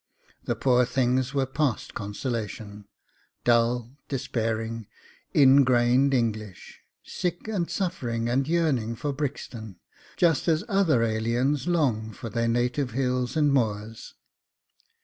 The poor things were past consolation, dull, despairing, ingrained English, sick and suffering and yearning for Brixton, just as other aliens long for their native hills and moors.